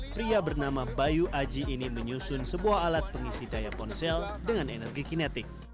pria bernama bayu aji ini menyusun sebuah alat pengisi daya ponsel dengan energi kinetik